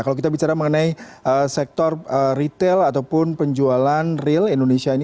kalau kita bicara mengenai sektor retail ataupun penjualan real indonesia ini